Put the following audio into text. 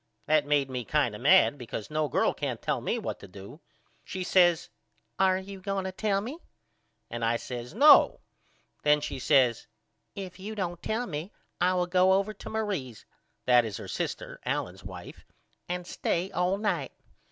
That made me kind of mad because no girl can't tell me what to do. She says Are you going to tell me? and I says No. Then she says If you don't tell me I will go over to Marie's that is her sister Allen's wife and stay all night.